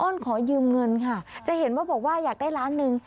้อนขอยืมเงินค่ะจะเห็นว่าบอกว่าอยากได้ล้านหนึ่ง